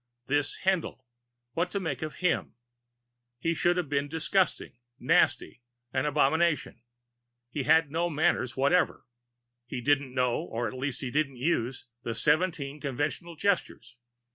This Haendl what to make of him? He should have been disgusting, nasty, an abomination. He had no manners whatever. He didn't know, or at least didn't use, the Seventeen Conventional Gestures.